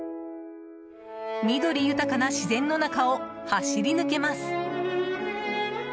緑豊かな自然の中を走り抜けます。